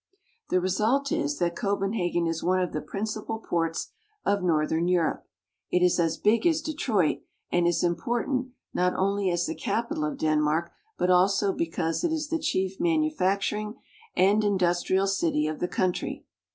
The result is that Copenhagen is one of the principal ports of northern Europe. It is as big as Detroit, and is important, not only as the capital of Denmark, but also because it is the chief manufacturing and industrial city of the country.